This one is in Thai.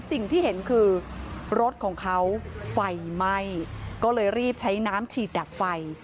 สิ่งที่เห็นคือรถของเขาไฟไหม้ก็เลยรีบใช้น้ำฉีดดับไฟ